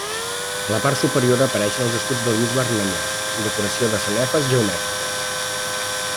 A la part superior apareixen els escuts del bisbe Armanyà i decoració de sanefes geomètriques.